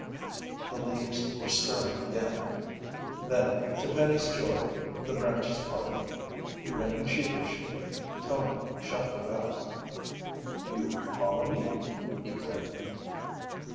The leaves were stirring again. Then, to Penny's joy, the branches parted. Grinning sheepishly, Tony shuffled out. "You call a me?" he grinned.